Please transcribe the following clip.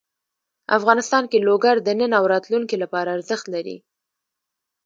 افغانستان کې لوگر د نن او راتلونکي لپاره ارزښت لري.